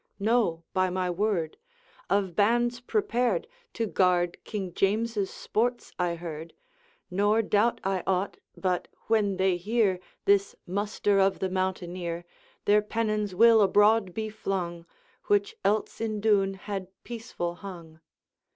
'No, by my word; of bands prepared To guard King James's sports I heard; Nor doubt I aught, but, when they hear This muster of the mountaineer, Their pennons will abroad be flung, Which else in Doune had peaceful hung.'